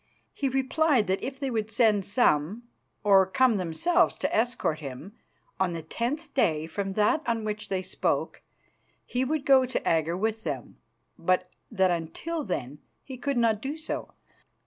He replied that if they would send some or come themselves to escort him on the tenth day from that on which they spoke, he would go to Agger with them, but that until then he could not do so.